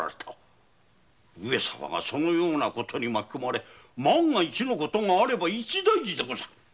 上様がそのようなことに巻きこまれ万が一のことがあれば一大事でござる。